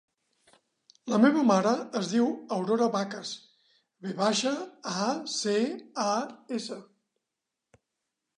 La meva mare es diu Aurora Vacas: ve baixa, a, ce, a, essa.